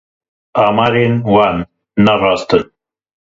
Amarên wan ne rast in.